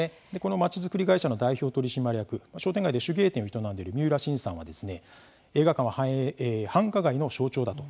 まちづくり会社の代表取締役商店街で手芸店を営んでいる三浦新さんはですね映画館は繁華街の象徴だと。